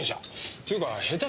っていうか下手